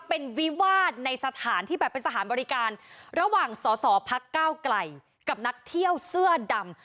เป็นวิวาสในสถานที่แบบเป็นสถานบริการระหว่างสอสอพักก้าวไกลกับนักเที่ยวเสื้อดำ